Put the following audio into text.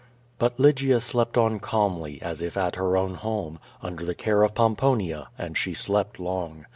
But Lygia slept on calmly, as if at her o^vn home, under the care of Pomponia, and she slept long.